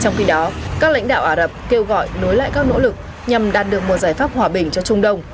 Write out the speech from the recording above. trong khi đó các lãnh đạo ả rập kêu gọi nối lại các nỗ lực nhằm đạt được một giải pháp hòa bình cho trung đông